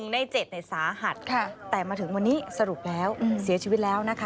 ใน๗สาหัสแต่มาถึงวันนี้สรุปแล้วเสียชีวิตแล้วนะคะ